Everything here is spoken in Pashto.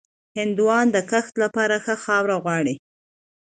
هندوانه د کښت لپاره ښه خاوره غواړي.